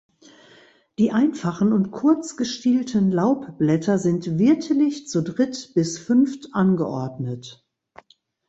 Die einfachen und kurz gestielten Laubblätter sind wirtelig zu dritt bis fünft angeordnet.